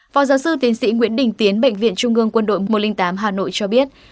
phó giáo sư tiến sĩ nguyễn đình tiến bệnh viện trung ương quân đội một trăm linh tám hà nội cho biết